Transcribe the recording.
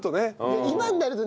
今になるとね